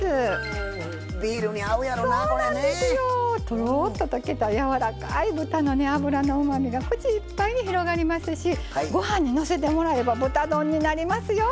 とろっと溶けたやわらかい豚の脂のうまみが口いっぱいに広がりますしご飯にのせてもらえば豚丼になりますよ。